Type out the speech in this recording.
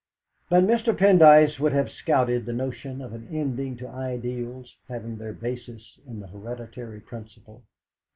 But Mr. Pendyce would have scouted the notion of an ending to ideals having their basis in the hereditary principle.